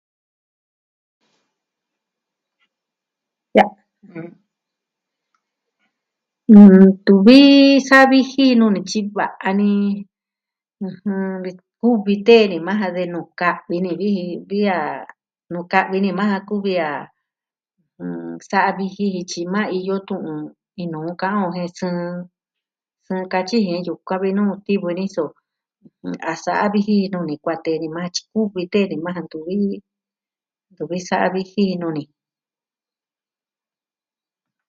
Ntuvi sa viji nuu ni tyi va'a ni, ɨjɨn... kuvi tee ni maa ja de nu ka'vi ni viji vi a nuu ka'vi ni maa ja kuvi a, ɨjɨn... sa'a viji tyi maa iyo tu'un i nu'u ka'an o je sɨɨn. Sɨɨn katyi ji yukuan vi nuu tivɨ ni so, ɨjɨn, a sa'a viji nuu ni kuatee ni maa tyi uvi tee ni maa ja. Ntuvi... Ntuvi sa'a viji nuu ni.